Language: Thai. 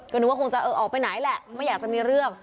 ก็นึกว่าคงจะออกไปไหนแหละไม่อยากจะมีเรื่อง